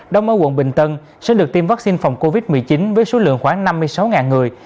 đồng ở quận bình tân sẽ được tiêm vaccine phòng covid một mươi chín với số lượng khoảng năm mươi sáu người